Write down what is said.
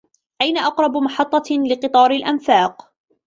أين أقرب محطة لقطار الأنفاق؟